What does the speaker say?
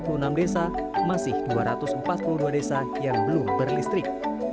dari total empat ratus dua puluh enam desa masih dua ratus empat puluh dua desa yang belum berlistrik